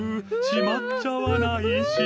しまっちゃわない？うう。